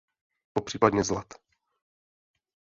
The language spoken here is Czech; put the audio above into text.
Popřípadě z lat.